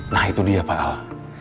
nah itu dia pak al